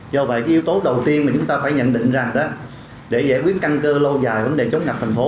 do vậy yếu tố đầu tiên mà chúng ta phải nhận định ra đó để giải quyết căng cơ lâu dài vấn đề chống ngập tp hcm